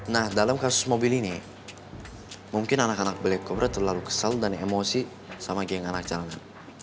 nah dalam kasus mobil ini mungkin anak anak beli kobra terlalu kesal dan emosi sama geng anak jalanan